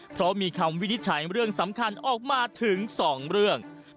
เพราะมีคำวินิจฉัยเรื่องสำคัญออกมาถึง๒เรื่อง